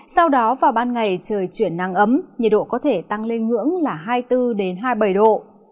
sau đó vào ban ngày trời chuyển năng ấm nhiệt độ có thể tăng lên ngưỡng là hai mươi bốn hai mươi bảy độ